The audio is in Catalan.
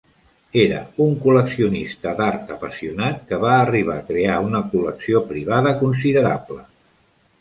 Era un col·leccionista d'art apassionat, que va arribar a crear una col·lecció privada considerable.